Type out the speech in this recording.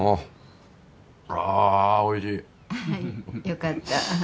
よかった。